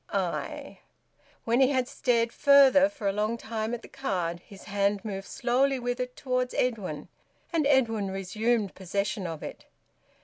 "Aye!" When he had stared further for a long time at the card, his hand moved slowly with it towards Edwin, and Edwin resumed possession of it.